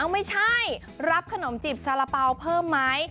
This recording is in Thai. ไม่ใช่รับขนมจีบสารเป๋าเพิ่มไหม